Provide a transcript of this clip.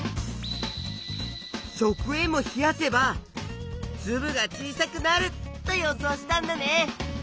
食塩も冷やせばつぶが小さくなると予想したんだね。